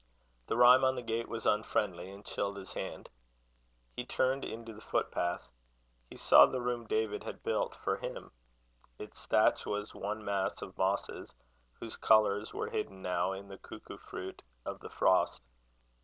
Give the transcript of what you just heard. The rime on the gate was unfriendly, and chilled his hand. He turned into the footpath. He saw the room David had built for him. Its thatch was one mass of mosses, whose colours were hidden now in the cuckoo fruit of the frost.